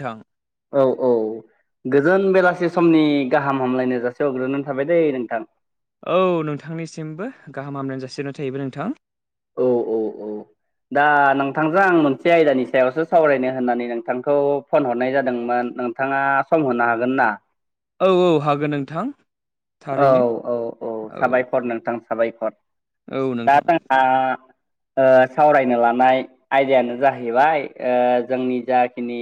थां औ औ गोजोन बेलासि समनि गाहाम हामलायनो जासे हरग्रोनानै थाबाय दै नोंथां औ नोंथांनिसिमबो गाहाम हामलायनाय जासिहरनाय थाहैबाय नोंथां औ औ औ दा नोंथांजों आं मोनसे आयदानि सायावसो सावरायनो होननानै नोंथांखौ फन हरनाय जादोंमोन नोंथाङा सम होनो हागोन ना औ औ हागोन नोंथां औ थारैनो औ औ साबायखर नोंथां साबायखर औ दा नोंथां जोंहा सावरायनो लानाय आयदायानो जाहैबाय जोंनि जाखिनि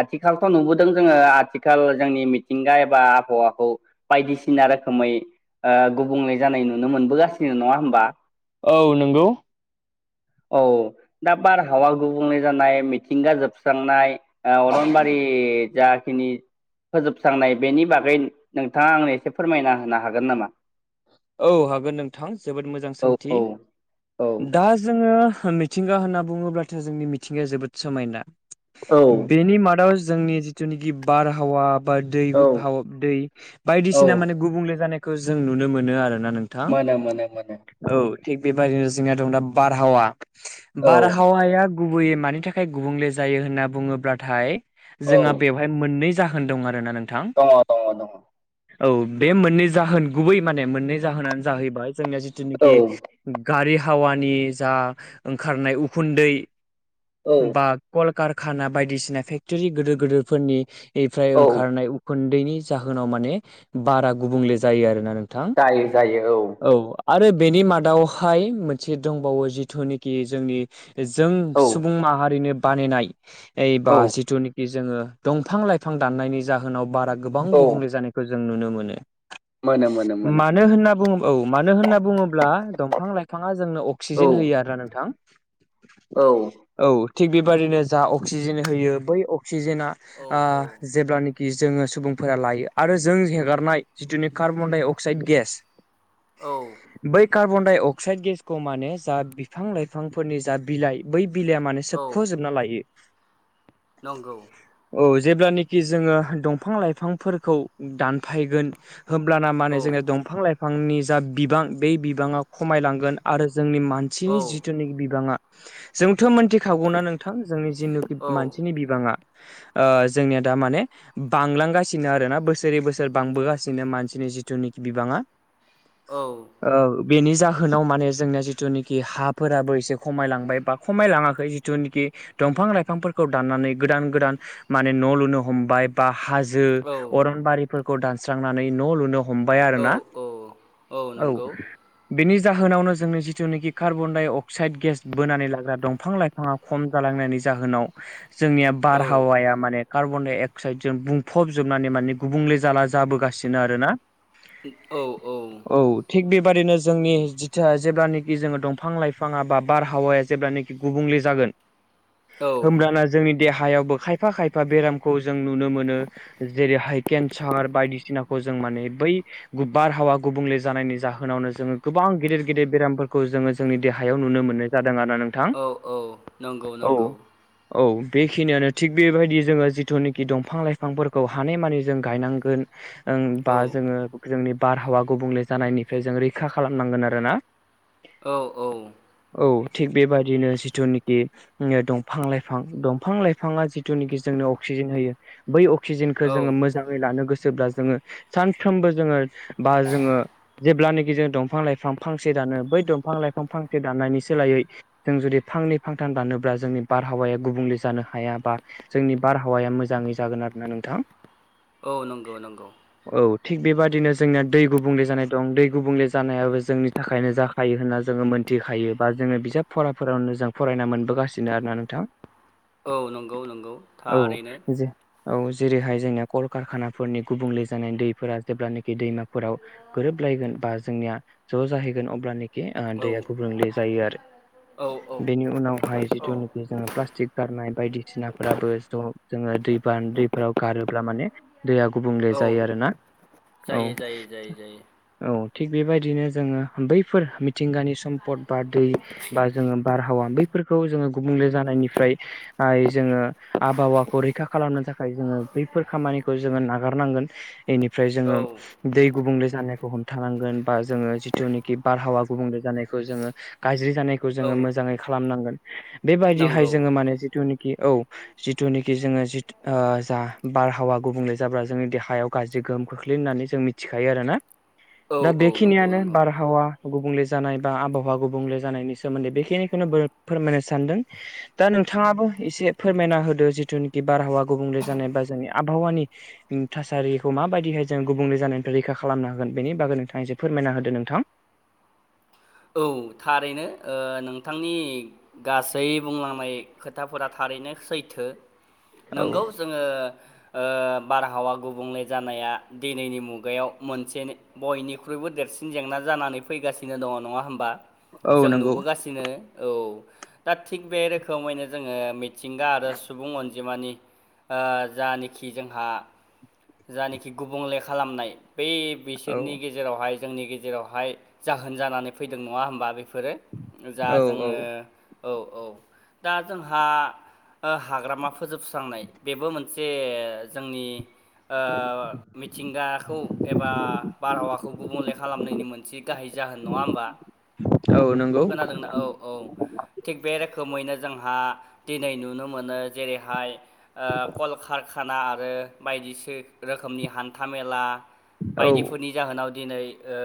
आथिखालथ' नुबोदों जोङो आथिखाल जोंनि मिथिंगा एबा आबहावाखौ बाय सिना रोखोमै गुबुंले जानाय नुनो मोनबोगासिनो नङा होमबा औ नंगौ औ दा बारहावा गुबुंले जानाय मिथिंगा जोबस्रांनाय अरनबारि जाखिनि फोजोबस्रांनाय बेनि बागै नोंथाङा आंनो एसे फोरमायना होनो हागोन नामा औ हागोन नोंथां जोबोद मोजां औ सोंथि औ औ दा जोङो मिथिंगा होनना बुङोब्लाथ' जोंनि मिथिंगाया जोबोद समायना औ बेनि मादाव जोंनि जिथुनाखि बारहावा बा दै औ दै औ बायदिसिना माने गुबुंले जानायखौ जों नुनो मोनो आरोना नों मोनो मोनो मोनो औ थिग बेबायदिनो जोंहा दं दा बारहावा औ बारहावाया गुबैयै मानि थाखाय गुबुंले जायो होनना बुङोब्लाथाय औ जोंहा बेवहाय मोननै जाहोन दं आरोना नोंथां दङ दङ दङ औ बे मोननै जाहोन गुबै माने मोननै जाहोनानो जाहैबाय जोंनिया जिथुनिखि गारि हावानि जा ओंखारनाय उखुन्दै औ बा कलकारखाना बायदिसिना फेक्टरि गिदिर गिदिरफोरनि फ्राय औ ओंखारनाय दैनि जाहोनाव माने बारा गुबुंले जायो आरोना नोंथां जायो जायो औ औ आरो बेनि मादावहाय मोनसे दंबावो जिथुनाखि जोंनि जों औ सुबुं माहारिनो बानायनाय बा औ जिथुनिखि कि जोङो दंफां लाइफां दाननायनि जाहोनाव बारा गोबां औ गुबुंले जानायखौ जों नुनो मोनो मोनो मोन मानो होनना बुङो औ मानो होनना बुङोब्ला दंफां लाइफाङा जोंनो औ अक्सिजेन होयो आरोना नोंथां औ औ थिग बेबायदिनो जा अक्सिजेन होयो बै अक्सिजेना औ आ जेब्ला कि जोङो सुबुंफोरा लायो आरो जों हेगारनाय जिथुनि कार्बनडाइ अक्साइड गेस औ बै कार्बन डाइ अक्साइड गेसखौ माने जा बिफां लाइफांफोरनि जा बिलाइ बै बिलाइया माने औ सोबख'जोबना लायो नंगौ औ जेब्लानाखि जोङो दंफां लाइफांफोरखौ दानफायगोन होब्लाना औ जोंनो दंफां लाइफांनि जा बिबां बेै बिबाङा खमायलांगोन आरो जोंनि मा औ नसिनि जिथुनिखि बिबाङा जोंथ' मोनथिखागौना नोंथां जोंनि जिनोखि औ मानसिनि बिबाङा ओ जोंनिया दा माने बांलांगासिनो आरोना बोसोरै बोसोर बांबोगासिनो मानसिनि जिथुनिकि बिबाङा औ ओ बेनि जाहोनाव माने जोंनिया जिथुनाखि हाफोराबो एसे खमायलांबाय बा खमायलाङाखै जिथुनाखि दंफां लाइफांफोरखौ दाननानै गोदान गोदान माने न' लुनो हमबाय बा हाजो औ अरनबारिफोरखौ दानस्रांनानै न' लुनो हमबाय औ आरोना औ औ बेनि जाहोनावनो जोंनि जिथुनाखि कार्बन डाइ अक्साइड गेस बोनानै लांग्रा दंफां लाइ फाङा खम जालांनायनि जाहोनाव जोंनिया औ बारहावाया माने कार्बनडाइ अक्साइडजों बुंफबजोबनानै माने गुबुंले जाला जाबोगासिनो आरोना औ औ औ थिग बेबादिनो जोंनि जिथि जेब्लानेखि जोङो दंफां लाइफाङा बा बारहावाया जेब्लाने गुबुंले जागोन औ होमब्लाना जोंनि देहायावबो खायफा खायफा बेरामखौ जों नुनो मोनो जेरैहाय केन्सार बायदिसिनाखौ जों माने बै बारहावा गुबुंले जानायनि जाहोनावनो जोङो गोबां गेदेर गेदेर बेरामफोरखौ जोङो जोंनि देहायाव नुनो मोनो जादों आरो नों औ औ नंगौ नंगौ औ बेखिनियानो थिग बेबायदि जोङो जिथुनाखि दंफां लाइफांफोरखौ हानायमानि जों गायनां गोन ओं औ बा जोङो जोंनि बारहावा गुबुंले जानायनिफ्राय जों रैखा खालामनांगोन आरोना औ औ औ थिग बेबायदिनो जिथुनाखि दंफां लाइफां दंफां लाइफाङा जिथुनाखि जोंनो अक्सिजेन होयो बै अक्सिजेनखौ औ जोङो मोजाङै लानो गोसोब्ला जोङो सानफ्रोमबो जोङो बा जोङो जेब्लानाखि जों दंफां लाइफां फांसे दानो बै दंफां लाइफां फांसे दानायनायनि सोलायै जों जुदि फांनै फांथाम दानोब्ला जोंनि बारहावाया गुबुंले जानो हाया बा जोंनि बारहावाया मोजाङै जागोन आरोना नोंथां औ नंगौ नंगौ औ थिग बेबादिनो जोंनिया दै गुबुंले जानाय दं दै गुबुंले जानायाबो जोंनि थाखायनो जा खायो होनना जोङो मोनथिखायो बा जोङो बिजाब फराफोरावनो जों फरायना मोनबोगासिनो आरोना नोंथां औ नंगौ नंगौ औ थारैनो जे औ जेरैहाय जोंनिया कलकारखानाफोरनि गुबुंले ज दैफोरा जेब्लखि दैमाफोराव गोरोबलायगोन बा जोंनिया ज' जाहैगोन अब्ला औ दैया गुब्रुंले जायो आरो औ औ बेनि उनावहाय जिथु जोङो प्लास्टिक गारनाय बायदिसिनाफोराबो ज' जोङो दैबान दैफोराव गारोब्ला माने दैया गुबुंले औ जायो आरोना औ जायो जायो जायो जायो। औ थिग बेबायदिनो जोङो बैफोर मिथिंगानि सम्पद बा दै बा जोङो बारहावा बैफोरखौ जोङो गुबुंले जानायनिफ्राय जोङो आबहावाखौ रैखा खालामनो थाखाय जोङो बैफोर खामानिखौ जोङो नागारनांगोन। बेनिफ्राय औ जोङो दै गुबुंले जानायखौ हमथानांगोन बा जोङो जिथुनाखि बारहावा गुबुंले जानायखौ जोङो गाज्रि जानायखौ जोङो औ मोजाङै खालामनांगोन बेबायदिहाय नंगौ जोङो माने जिथु औ जिथुनाखि जोङो जिु जा बारहावा गुबुंले जाब्ला जोंनि देहा हायाव गाज्रि गोहोम खोख्लै होननानै जों मिथिखायो आरो ना औ दा औ नंगौ बेखिनियानो नंगौ बारहावा गुबुंले जानाय बा आबहावा गुबुंले जानायनि सोमोन्दै बेखिनिखौनो फोरमायनो सानदों। दा नोंथाङाबो एसे फोरमायना होदो जिथुनिखि बारहावा गुबुंले जानाय बा जोंनि आबहावानि [inaudible] थासारिखौ माबायदिहाय जों गुबुंले जानायनिफ्राय रैखा खालामनो हागोन बेनि बागै नोंथाङ एसे फोरमायना होदो नोंथां। औ थारैनो नोंथांनि। गासै बुंलांनाय खोथाफोरा थारैनो सैथो नोंगौ। औ जोङो बारहावा गुबुंले जानाया दिनैनि मुगायाव मोनसे बयनिख्रुइबो देरसिन जेंना जानानै फैगासिनो दङ नङा हो होमबा औ जों नंगौ नुबोगासिनो औ दा थिग बे रोखोमैनो जोङो मिथिंगा आरो सुबुं अनजिमानि जानोखि जोंहा जानखि गुबुंले खालामनाय बै औ बिसोरनि गेजेराव जेरावहाय जोंनि गेजेरावहाय जाहोन जानानै फैदों नङा होमबा बेफोरो जा औ औ जोङो औ औ दा जोंहा हाग्रामा फोजोबस्रांनाय बेबो मोनसे जोंनि आ मिथिंगाखौ एबा बारहावाखौ गुबुंले खालामनायनि मोनसे गाहाय जाहोन नङा होमबा? औ नों खोनादोंना औ औ। थिग बे रोखोमैनो जोंहा दिनै नुनो मोनो जेरैहाय कलकारखाना आरो बायदिसिना रोखोमनि हान्था-मेला औ बायदिफोरनि जाहोनाव दिनै ओ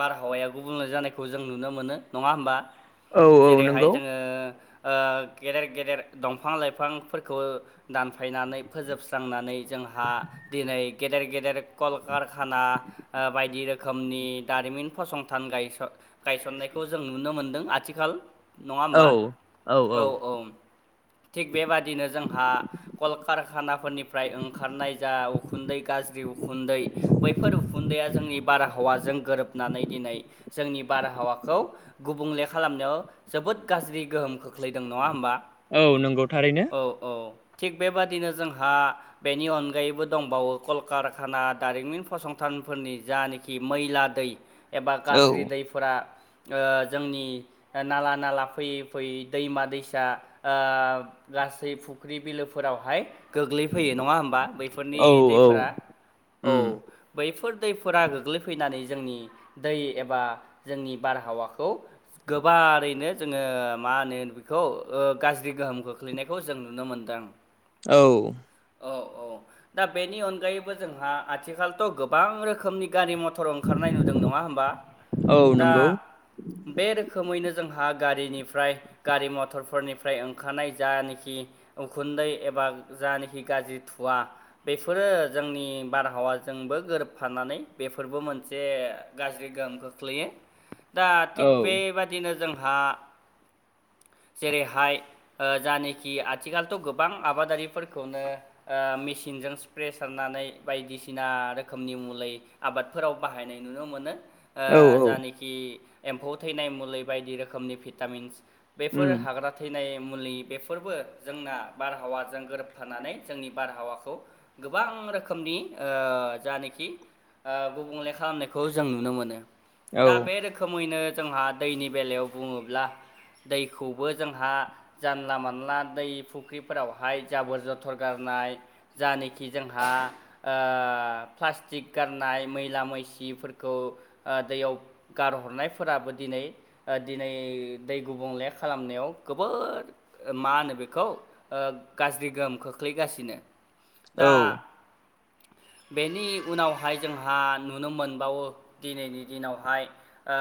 बारहावाया गुबुंले जानायख जों नुनो मोनो नङा होमबा औ औ जेरैहाय नंगौ जोङो। गेदेर गेदेर दंफां-लाइफांफोरखौ दानफायनानै फोजोबस्रांनानै जोंहा जहा दिनै गेदेर गेदेर कलकारखाना बायदि रोखोमनि दारिमिन फसंथान गायस' गायसननायखौ जों नुनो मोनदों आथिखाल नङा होमबा औ औ औ। थिग बेबादिनो जोंहा कलकारखानाफोरनिफ्राय ओंखारनाय जा उखुन्दै गाज्रि उखुन्दै बैफोर उखुन्दैआ जोंनि बारहावाजों गोरोबनानै दिनै जोंनि बारहावाखौ गुबुंले खालामनायाव जोबोद गाज्रि गोहोम खो खोख्लैदों नङा होमबा औ नंगौ थारैनो औ औ थिग बेबादिनो जोंहा बेनि अनगायैबो दंबावो कलकारखाना दारिमिन फसंथानफोरनि जानखि आरोखि मैला दै एबा औ गाज्रि दैफोरा जोंनि नाला नाला फैयै फैयै दैमा-दैसा गासै फुख्रि बिलोफोरावहाय गोग्लैफैयो नङा होमबा बैफोरनि औ औ दैफोरा औ। उम बैफोर दैफोरा गोग्लैफैनानै जोंनि दै एबा जोंनि बारहावाखौ गोबारैनो जोङो मा होनो बेखौ गाज्रि गोहोम खोख्लैनायखौ जों नुनो मोनदों। द औ। औ औ दा बेनि अनगायैबो जोंहा आथिखालथ' गोबां रोखोमनि गारि मथर ओंखारनाय नुदों नङा होनोमबा? औ दा नंगौ बे रोखोमैनो जोंहा गारिनिफ्राय। गारि मथरफोरनिफ्राय ओंखारनाय जानखि। उखुन्दै एबा जान हि गाज्रि थुवा। बेफोरो जोंनि बारहावाजोंबो गोरोबफानानै बेफोरबो मोनसे गाज्रि गोहोम खोख्लैयो। दा थिग औ बेबादिनो जोंहा जेरैहाय जानखि आथिखालथ' गोबां आबादारिफोरखौनो। मेसिनजों स्प्रे सारनानै बायदिसिना रोखोमनि मलै आबादफोराव बाहायनाय नुनो मोनो। ओ औ औ जानखि एम्फौ थैनाय मुलि बायदि रोखोमनि भिटामिन्स बेफोर उम हाग्रा। थैनाय मुलि बेफोरबो जोंना बारहावाजों गोरोबथानानै जोंनि बारहावाखौ। गोबां रोखोमनि ओ जानेखि गुबुंले खालामनायखौ जों नुनो मोनो। दा औ बे रोखोमैनो जोंहा दैनि बेलायाव बुङोब्ला दैखौबो जोंहा। जानला मोनानला दै फुख्रिफोरावहाय जाबोर जथर गारनाय। जानखि जोंहा ओ प्लास्टिक गारनाय मैला मैसिफोरखौ दैयाव। गारहरनायफोराबो दिनै दिनै दै गुबुंले खालामनायाव गोबां मा होनो बेखौ गाज्रि गोहोम खोख्लैगासिनो। औ दा बेनि उनावहाय जोंहा नुनो मोनबावो दिनैनि दिनावहाय। ओ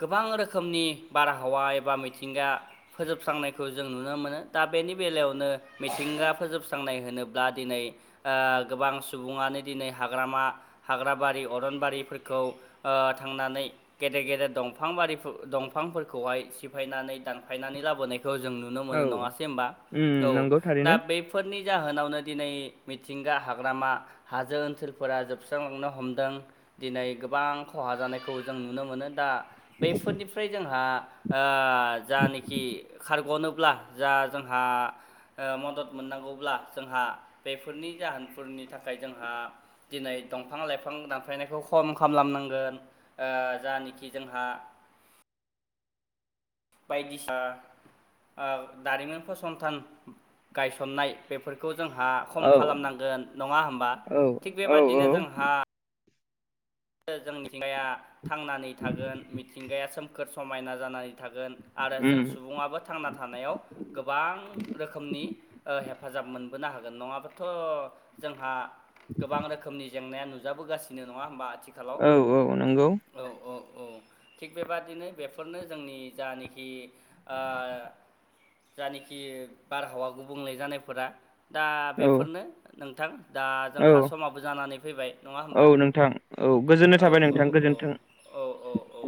गोबां रोखोमनि बारहावा एबा मिथिंगा फोजोबस्रांनायखौ जों नुनो मोनो दा बेनि बेलायावनो मिथिंगा फोजोबस्रांनाय होनोब्ला दिनै। ओ गोबां सुबुङानो दिनै हाग्रामा हाग्राबारि अरनबारिफोरखौ। थांनानै गेदेर गेदेर दंफां बारि दंफांफोरखौहाय सिफायनानै दानफायनानै लाबोनायखौ जों नु‌ नों औ मोनो नाङासै होनबा। उम नंगौ थारैनो फोरनि जाहोनावनो दिनै मिथिंगा हाग्रामा हाजो ओनसोलफोरा जोबस्रांलांनो हमदों दिनै गोबां। खहा जानायखौ जों नुनो मोनो दा बेफोरनिफ्राय जोंहा ओ जानखि खारग'नोब्ला जा जोंहा मदद मोननांगौब्ला जोंहा बेफोरनि जाहोनफोरनि थाखाय जोंहा। दिनै दंफां लाइफां दानफायनायखौ खम खालामनांगोन। जानाखि जोंहा। बायदिसि ओ दारिमिन फसंथान गायसननाय बेफोरखौ जोंहा खम औ खालामनांगोन नङा होमबा औ थिग औ औ बेबादिनो जोंहा जों मिथिंगाया थांनानै थागोन मिथिंगाया सोमखोर समायना जानानै थागोन। आरो उम जों सुबुाबो थांना थानायाव गोबां रोखोमनि। हेफाजाब मोनबोनो हागोन नङाबाथ' जोंहा गोबां रोखोमनि जेंनाया नुजाबोगासिनो नङा होमबा आथिखालाव। औ औ नंगौ। औ औ औ। थिग बेबादिनो बेफोरनो जोंनि जानेखि ओ जानेखि बारहावा गुबुंले जानायफोरा। दा औ बेफोरनो नोंथां दा औ जोंहा समाबो जानानै फैबाय नङा औ होमबा। नोंथां औ गोजोननाय औ थाबाय औ नोंथां औ गोजोन्थों। औ औ औ